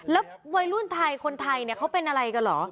แล้ววัยรุ่นไทยคนไทยเนี่ยเขาเป็นอะไรกันเหรอ